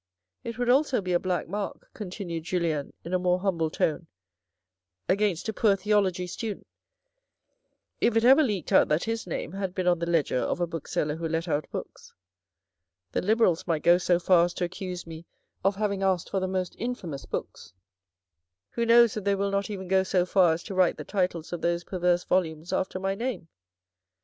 " It would also be a black mark," continued Julien in a more humble tone, " against a poor theology student if it ever leaked out that his name had been on the ledger of a book seller who let out books. The Liberals might go so far as to accuse me of having asked for the most infamous books. Who knows if they will not even go so far as to write the titles of those perverse volumes after my name